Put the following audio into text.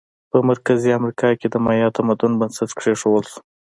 په مرکزي امریکا کې د مایا تمدن بنسټ کېښودل شو.